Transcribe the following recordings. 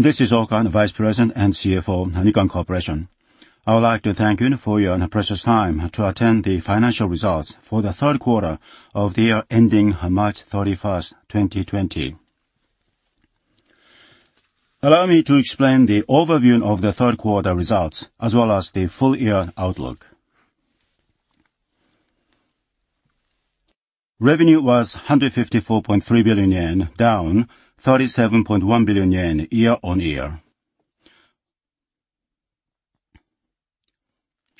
This is Oka, Vice President and CFO, Nikon Corporation. I would like to thank you for your precious time to attend the financial results for the third quarter of the year ending March 31st, 2020. Allow me to explain the overview of the third quarter results as well as the full-year outlook. Revenue was 154.3 billion yen, down 37.1 billion yen year-on-year.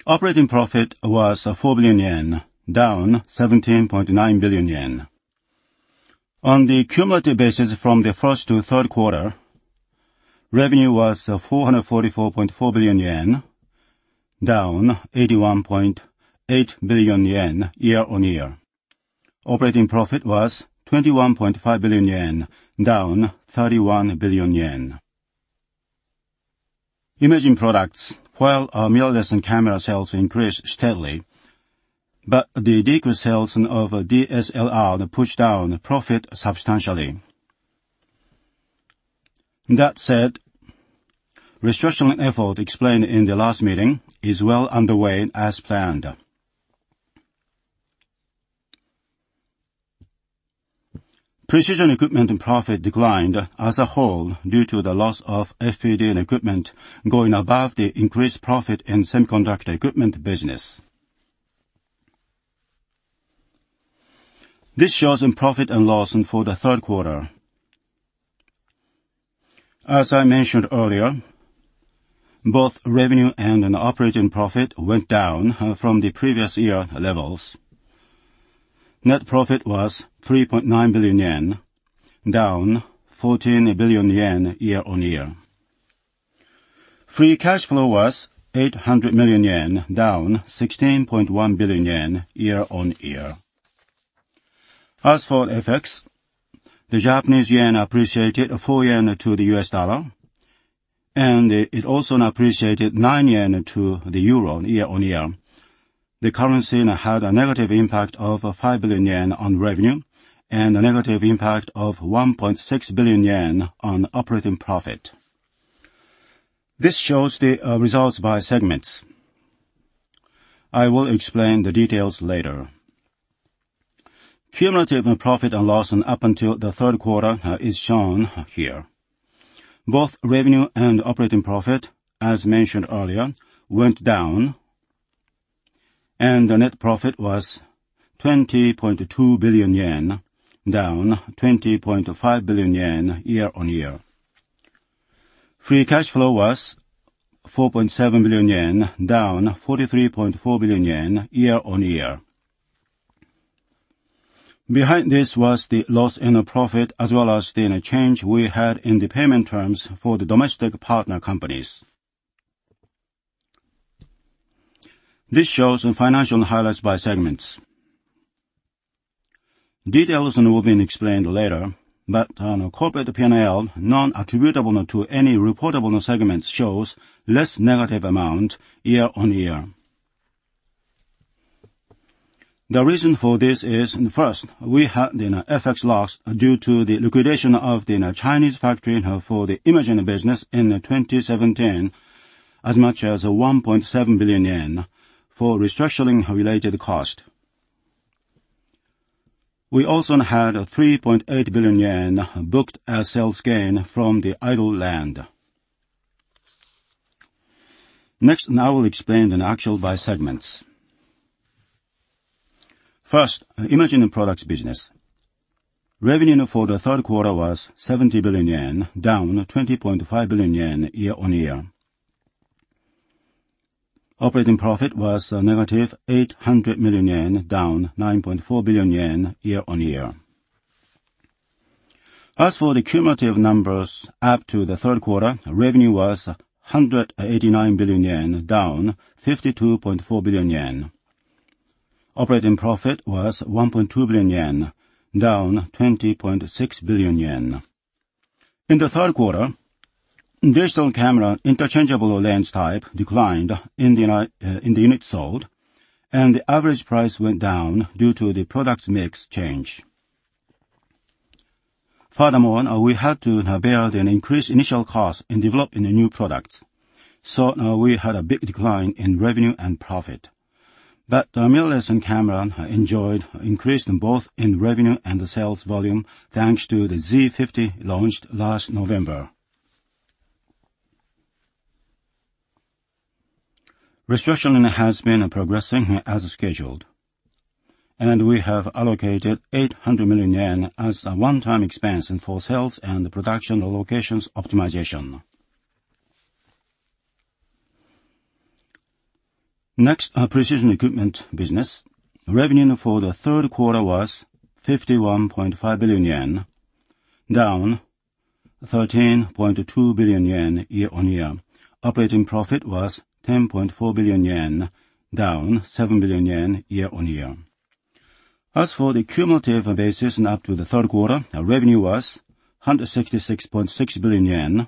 Operating profit was 4 billion yen, down 17.9 billion yen. On the cumulative basis from the first to third quarter, revenue was 444.4 billion yen, down 81.8 billion yen year-on-year. Operating profit was 21.5 billion yen, down 31 billion yen. Imaging products, while our mirrorless and camera sales increased steadily, but the decreased sales of DSLR pushed down profit substantially. That said, restructuring effort explained in the last meeting is well underway as planned. Precision equipment profit declined as a whole due to the loss of FPD and equipment going above the increased profit in semiconductor equipment business. This shows profit and loss for the third quarter. As I mentioned earlier, both revenue and operating profit went down from the previous year levels. Net profit was 3.9 billion yen, down 14 billion yen year-over-year. Free cash flow was 800 million yen, down 16.1 billion yen year-over-year. As for FX, the Japanese yen appreciated a full yen to the U.S. dollar. It also appreciated nine yen to the euro year-over-year. The currency had a negative impact of 5 billion yen on revenue, and a negative impact of 1.6 billion yen on operating profit. This shows the results by segments. I will explain the details later. Cumulative profit and loss up until the third quarter is shown here. Both revenue and operating profit, as mentioned earlier, went down, and the net profit was 20.2 billion yen, down 20.5 billion yen year-over-year. Free cash flow was 4.7 billion yen, down 43.4 billion yen year-over-year. Behind this was the loss in profit as well as the change we had in the payment terms for the domestic partner companies. This shows financial highlights by segments. Details will be explained later, but corporate P&L, non-attributable to any reportable segments shows less negative amount year-over-year. The reason for this is, first, we had an FX loss due to the liquidation of the Chinese factory for the imaging business in 2017 as much as 1.7 billion yen for restructuring related cost. We also had 3.8 billion yen booked as sales gain from the idle land. Now I'll explain the actual by segments. First, Imaging Products Business. Revenue for the third quarter was 70 billion yen, down 20.5 billion yen year on year. Operating profit was negative 800 million yen, down 9.4 billion yen year on year. As for the cumulative numbers up to the third quarter, revenue was 189 billion yen, down 52.4 billion yen. Operating profit was 1.2 billion yen, down 20.6 billion yen. In the third quarter, digital camera interchangeable lens type declined in the units sold, and the average price went down due to the product mix change. Furthermore, we had to bear an increased initial cost in developing the new products, so we had a big decline in revenue and profit. Mirrorless and camera enjoyed increase in both in revenue and the sales volume, thanks to the Z 50 launched last November. Restructuring has been progressing as scheduled, and we have allocated 800 million yen as a one-time expense for sales and production locations optimization. Next, our precision equipment business. Revenue for the third quarter was 51.5 billion yen, down 13.2 billion yen year on year. Operating profit was 10.4 billion yen, down 7 billion yen year on year. As for the cumulative basis up to the third quarter, our revenue was 166.6 billion yen,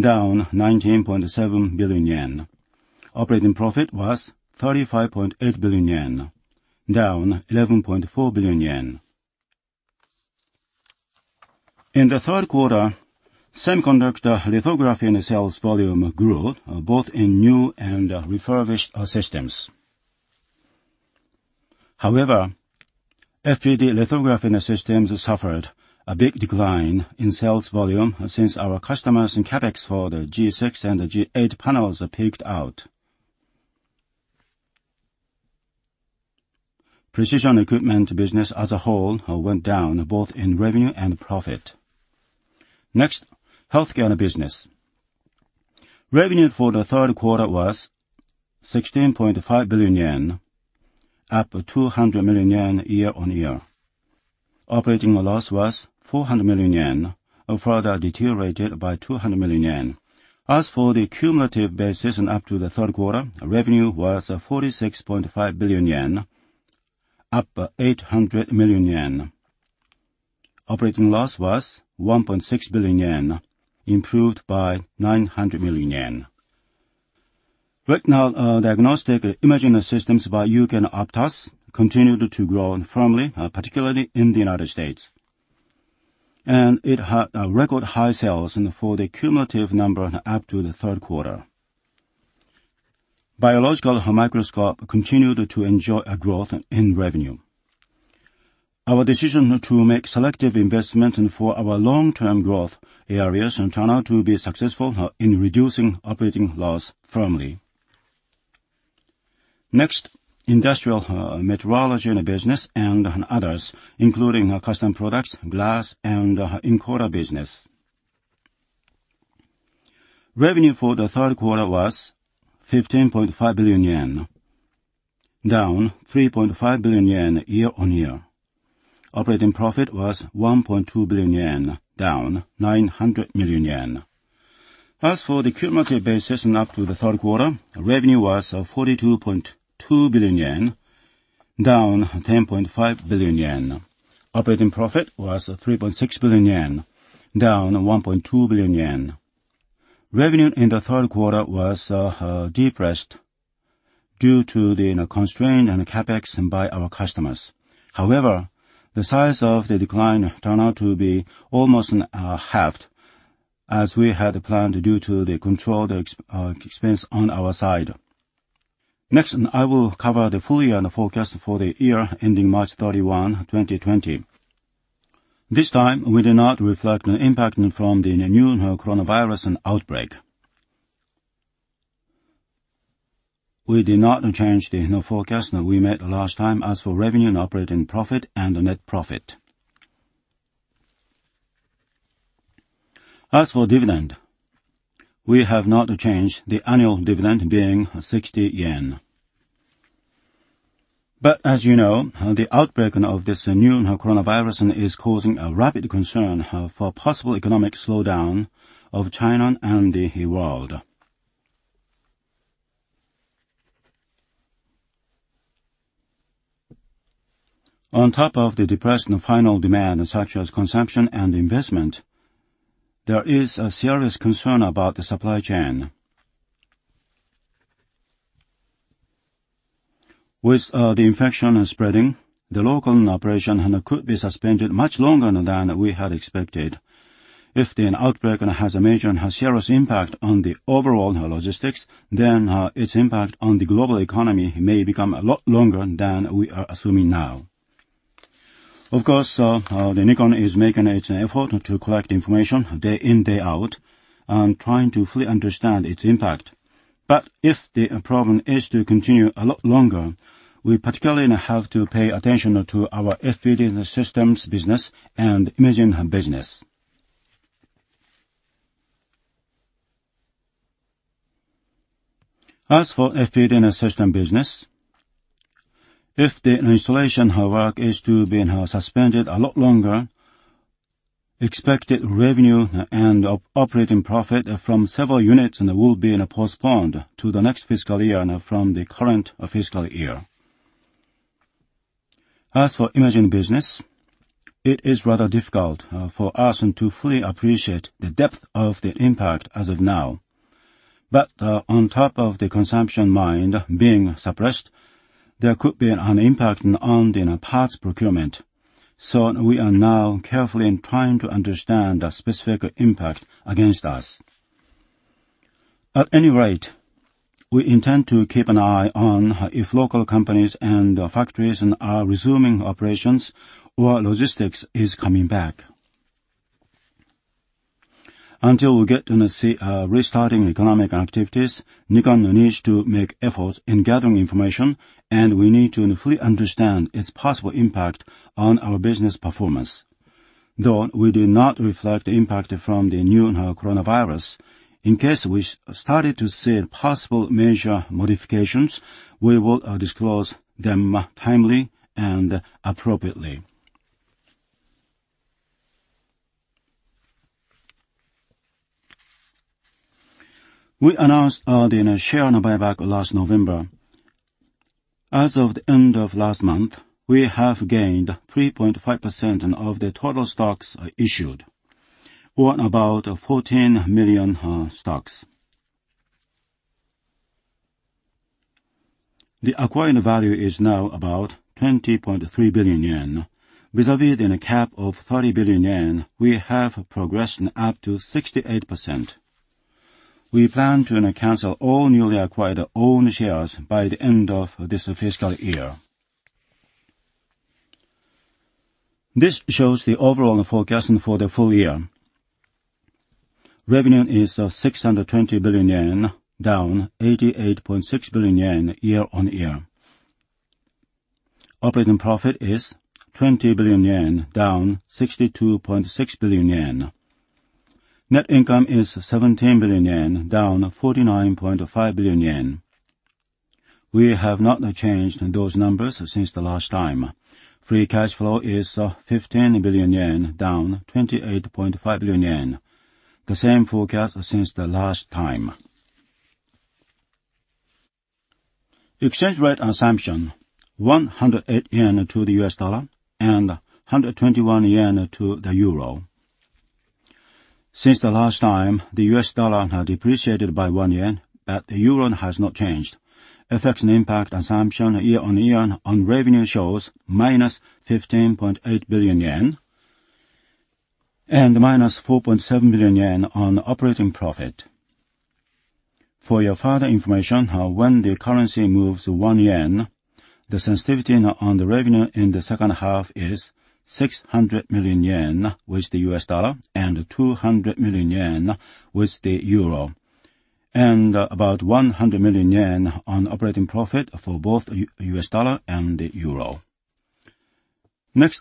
down 19.7 billion yen. Operating profit was 35.8 billion yen, down 11.4 billion yen. In the third quarter, semiconductor lithography and sales volume grew both in new and refurbished systems. FPD lithography systems suffered a big decline in sales volume since our customers' CapEx for the G6 and G8 panels peaked out. Precision equipment business as a whole went down both in revenue and profit. Next, healthcare business. Revenue for the third quarter was 16.5 billion yen, up 200 million yen year on year. Operating loss was 400 million yen, further deteriorated by 200 million yen. As for the cumulative basis and up to the third quarter, revenue was 46.5 billion yen, up 800 million yen. Operating loss was 1.6 billion yen, improved by 900 million yen. Right now, diagnostic imaging systems by UK Optos continued to grow firmly, particularly in the U.S., and it had record high sales for the cumulative number up to the third quarter. Biological microscope continued to enjoy a growth in revenue. Our decision to make selective investment for our long-term growth areas turned out to be successful in reducing operating loss firmly. Next, industrial metrology business and others, including custom products, glass, and encoder business. Revenue for the third quarter was 15.5 billion yen, down 3.5 billion yen year-on-year. Operating profit was 1.2 billion yen, down 900 million yen. As for the cumulative basis and up to the third quarter, revenue was 42.2 billion yen, down 10.5 billion yen. Operating profit was 3.6 billion yen, down 1.2 billion yen. Revenue in the third quarter was depressed due to the constraint and CapEx by our customers. The size of the decline turned out to be almost halved as we had planned due to the controlled expense on our side. I will cover the full year forecast for the year ending March 31, 2020. This time, we did not reflect an impact from the new coronavirus outbreak. We did not change the forecast we made last time as for revenue and operating profit and net profit. As for dividend, we have not changed the annual dividend being 60 billion yen. As you know, the outbreak of this new coronavirus is causing a rapid concern for possible economic slowdown of China and the world. On top of the depressed final demand, such as consumption and investment, there is a serious concern about the supply chain. With the infection spreading, the local operation could be suspended much longer than we had expected. If the outbreak has a major and serious impact on the overall logistics, then its impact on the global economy may become a lot longer than we are assuming now. Of course, Nikon is making its effort to collect information day in, day out, and trying to fully understand its impact. If the problem is to continue a lot longer, we particularly have to pay attention to our FPD systems business and Imaging Business. FPD and system business, if the installation work is to be suspended a lot longer, expected revenue and operating profit from several units will be postponed to the next fiscal year from the current fiscal year. Imaging business, it is rather difficult for us to fully appreciate the depth of the impact as of now. On top of the consumption mind being suppressed, there could be an impact on the parts procurement. We are now carefully trying to understand the specific impact against us. At any rate, we intend to keep an eye on if local companies and factories are resuming operations or logistics is coming back. Until we get to see restarting economic activities, Nikon needs to make efforts in gathering information, and we need to fully understand its possible impact on our business performance. Though we do not reflect the impact from the new coronavirus, in case we started to see possible major modifications, we will disclose them timely and appropriately. We announced the share buyback last November. As of the end of last month, we have gained 3.5% of the total stocks issued, or about 14 million stocks. The acquiring value is now about 20.3 billion yen. Vis-a-vis in a CapEx of 30 billion yen, we have progressed up to 68%. We plan to cancel all newly acquired own shares by the end of this fiscal year. This shows the overall forecasting for the full year. Revenue is 620 billion yen, down 88.6 billion yen year-on-year. Operating profit is 20 billion yen, down 62.6 billion yen. Net income is 17 billion yen, down 49.5 billion yen. We have not changed those numbers since the last time. Free cash flow is 15 billion yen, down 28.5 billion yen. The same forecast since the last time. Exchange rate assumption, 108 yen to the U.S. dollar and 121 yen to the euro. Since the last time, the U.S. dollar has depreciated by 1 yen, the euro has not changed. FX impact assumption year-over-year on revenue shows -15.8 billion yen and -4.7 billion yen on operating profit. For your further information, when the currency moves 1 yen, the sensitivity on the revenue in the second half is 600 million yen with the U.S. dollar and 200 million yen with the euro, and about 100 million yen on operating profit for both U.S. dollar and the euro.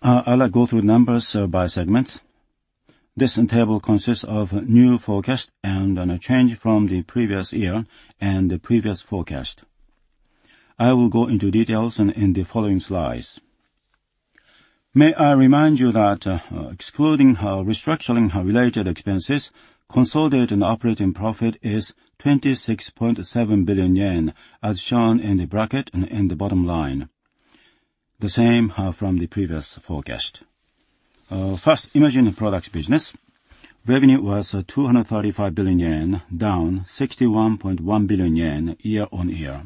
I'll go through numbers by segments. This table consists of new forecast and change from the previous year and the previous forecast. I will go into details in the following slides. May I remind you that excluding restructuring-related expenses, consolidated operating profit is 26.7 billion yen, as shown in the bracket in the bottom line. The same from the previous forecast. First, Imaging Products Business. Revenue was 235 billion yen, down 61.1 billion yen year-on-year.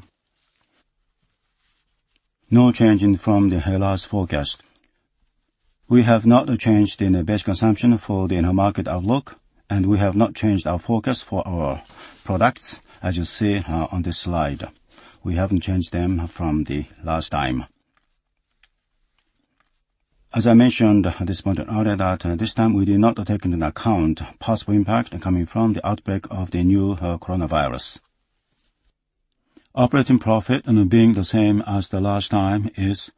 No change from the last forecast. We have not changed any base consumption for the market outlook, and we have not changed our forecast for our products. As you see on this slide, we haven't changed them from the last time. As I mentioned at this point earlier that this time we did not take into account possible impact coming from the outbreak of the new coronavirus. Operating profit being the same as the last time is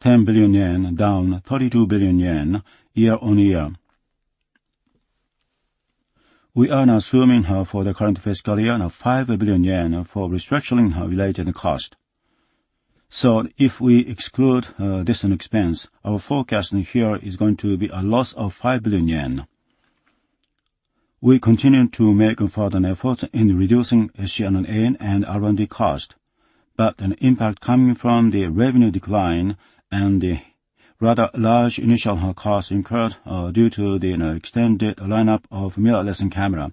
10 billion yen, down 32 billion yen year-on-year. We are now assuming for the current fiscal year, 5 billion yen for restructuring-related cost. If we exclude this expense, our forecast here is going to be a loss of 5 billion yen. We continue to make further efforts in reducing SG&A and R&D cost, an impact coming from the revenue decline and the rather large initial cost incurred due to the extended lineup of mirrorless camera.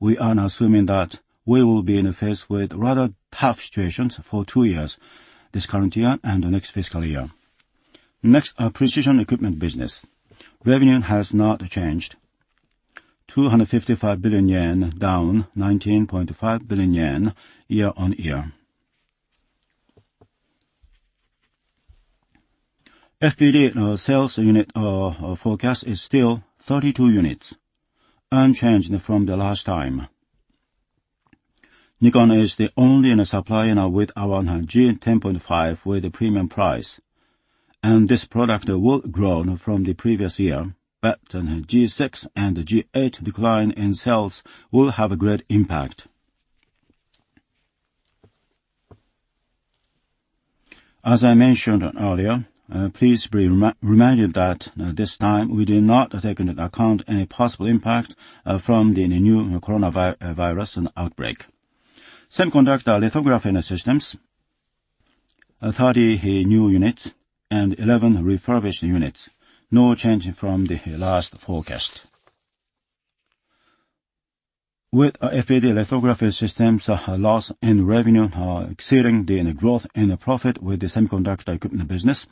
We are now assuming that we will be faced with rather tough situations for two years, this current year and the next fiscal year. Our precision equipment business. Revenue has not changed. 255 billion yen, down 19.5 billion yen year-on-year. FPD sales unit forecast is still 32 units, unchanged from the last time. Nikon is the only supplier now with our G10.5 with a premium price, and this product will grow from the previous year, but G6 and G8 decline in sales will have a great impact. As I mentioned earlier, please be reminded that this time we did not take into account any possible impact from the new coronavirus outbreak. Semiconductor lithography systems, 30 new units and 11 refurbished units. No change from the last forecast. With FPD lithography systems, our loss and revenue are exceeding the growth and profit with the semiconductor equipment business.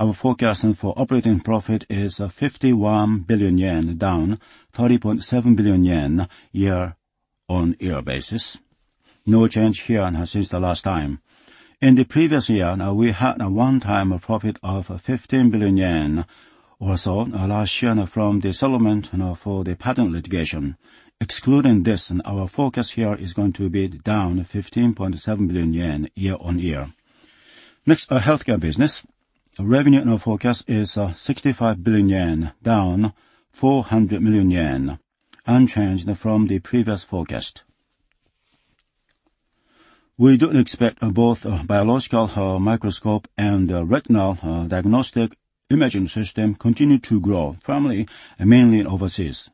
Our forecast for operating profit is 51 billion yen, down 30.7 billion yen year-on-year basis. No change here since the last time. In the previous year, we had a one-time profit of 15 billion yen or so last year from the settlement for the patent litigation. Excluding this, our forecast here is going to be down 15.7 billion yen year-on-year. Next, our healthcare business. Revenue forecast is 65 billion yen, down 400 million yen, unchanged from the previous forecast. We do expect both biological microscope and retinal diagnostic imaging system continue to grow firmly, mainly overseas.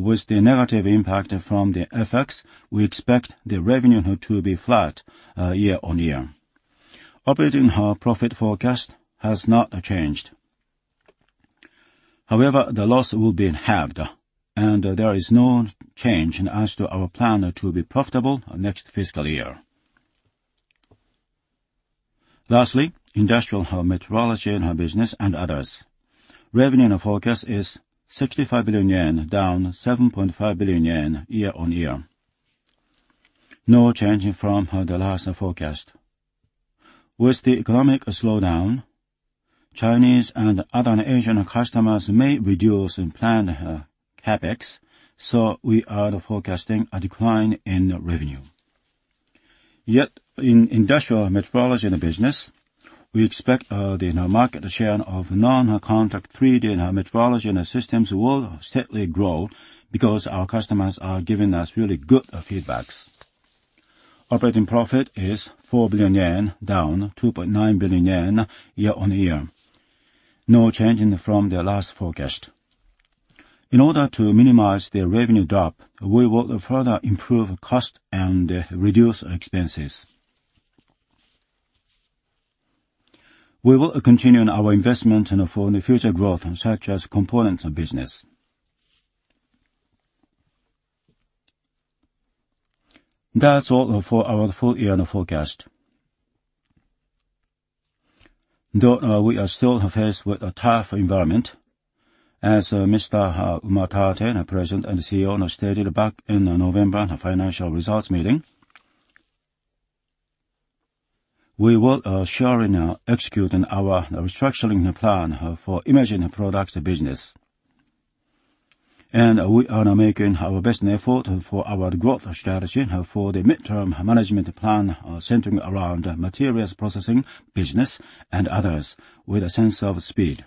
With the negative impact from the FX, we expect the revenue to be flat year-on-year. Operating profit forecast has not changed. The loss will be halved, and there is no change as to our plan to be profitable next fiscal year. Lastly, industrial metrology business and others. Revenue forecast is 65 billion yen, down 7.5 billion yen year-on-year. No change from the last forecast. With the economic slowdown, Chinese and other Asian customers may reduce and plan CapEx, so we are forecasting a decline in revenue. Yet in industrial metrology business, we expect the market share of non-contact 3D metrology systems will steadily grow because our customers are giving us really good feedbacks. Operating profit is 4 billion yen, down 2.9 billion yen year-on-year. No change from the last forecast. In order to minimize the revenue drop, we will further improve cost and reduce expenses. We will continue our investment and for future growth, such as components business. That's all for our full year forecast. We are still faced with a tough environment, as Mr. Umatate, President and CEO, stated back in November in a financial results meeting. We will surely execute our restructuring plan for Imaging Products Business. We are now making our best effort for our growth strategy for the midterm management plan, centering around materials processing business and others with a sense of speed.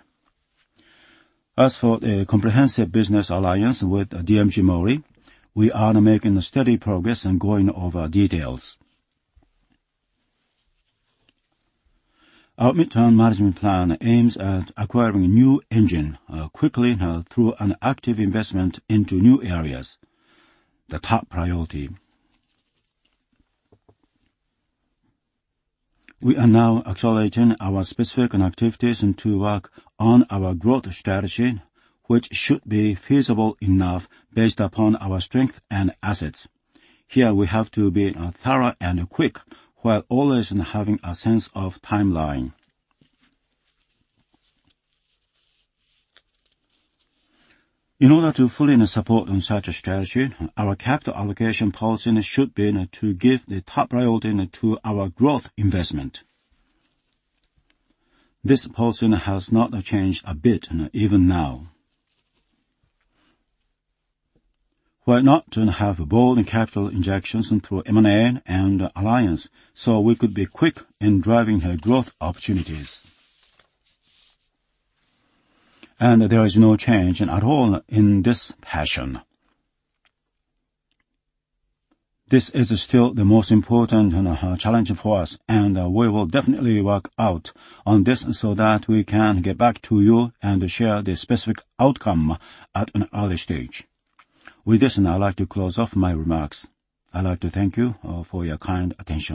As for the comprehensive business alliance with DMG MORI, we are now making steady progress in going over details. Our midterm management plan aims at acquiring new engine quickly through an active investment into new areas, the top priority. We are now accelerating our specific activities and to work on our growth strategy, which should be feasible enough based upon our strength and assets. Here we have to be thorough and quick, while always having a sense of timeline. In order to fully support such a strategy, our capital allocation policy should be to give the top priority to our growth investment. This policy has not changed a bit even now. We're not to have bold capital injections through M&A and alliance, so we could be quick in driving our growth opportunities. There is no change at all in this passion. This is still the most important challenge for us, and we will definitely work out on this so that we can get back to you and share the specific outcome at an early stage. With this, I'd like to close off my remarks. I'd like to thank you for your kind attention.